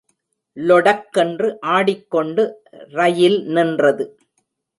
லொடக் என்று ஆடிக்கொண்டு ரயில் நின்றது.